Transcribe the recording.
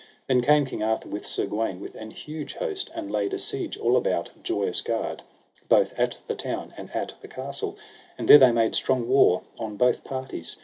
Then came King Arthur with Sir Gawaine with an huge host, and laid a siege all about Joyous Gard, both at the town and at the castle, and there they made strong war on both parties.